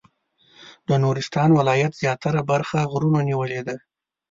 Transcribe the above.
د نورستان ولایت زیاتره برخه غرونو نیولې ده.